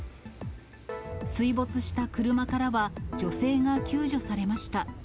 水没した車からは、女性が救助されました。